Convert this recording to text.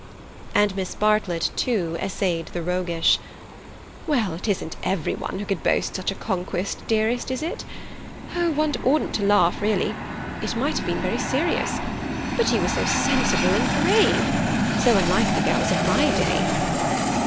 And Miss Bartlett, too, essayed the roguish: "Well, it isn't everyone who could boast such a conquest, dearest, is it? Oh, one oughtn't to laugh, really. It might have been very serious. But you were so sensible and brave—so unlike the girls of my day."